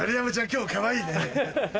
今日もかわいいね。